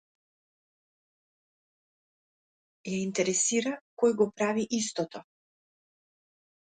Ја интересира кој го прави истото